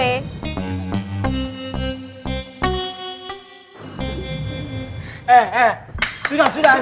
eh eh sudah sudah eh